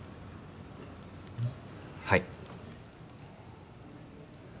はい。